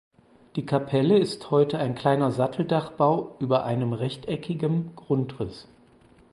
Die Kapelle ist heute ein kleiner Satteldachbau über einem rechteckigem Grundriss.